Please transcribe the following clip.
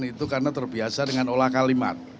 itu karena terbiasa dengan olah kalimat